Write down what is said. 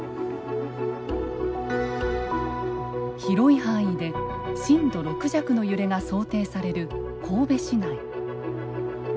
広い範囲で震度６弱の揺れが想定される神戸市内。